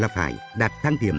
là phải đạt thăng điểm